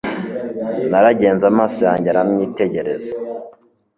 Naragenze amaso yanjye aramwitegereza